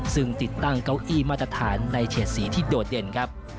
ซึ่งติดตั้งเก้าอี้มาตรฐานในเฉดสีที่โดดเด่นครับ